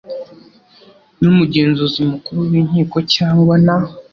N umugenzuzi mukuru w inkiko cyangwa na